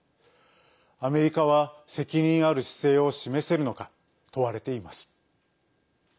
アメリカは責任ある姿勢を示せるのか問われています。